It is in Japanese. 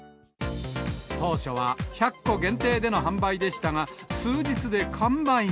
当初は１００個限定での販売でしたが、数日で完売に。